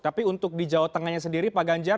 tapi untuk di jawa tengahnya sendiri pak ganjar